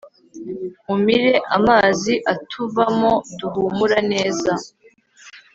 umire amazi atuvamo, duhumura neza